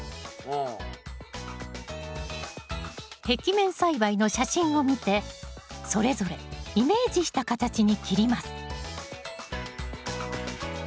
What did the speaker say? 壁面栽培の写真を見てそれぞれイメージした形に切ります